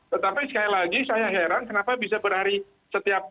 tetapi sekali lagi saya heran kenapa bisa berhari setiap